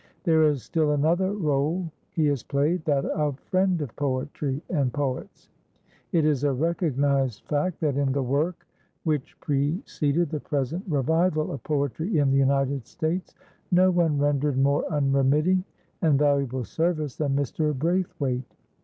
There is still another role he has played, that of friend of poetry and poets. It is a recognized fact that in the work which preceded the present revival of poetry in the United States, no one rendered more unremitting and valuable service than Mr. Braithwaite.